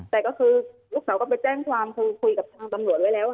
แต่ก็คือลูกสาวก็ไปแจ้งความคือคุยกับทางตำรวจไว้แล้ว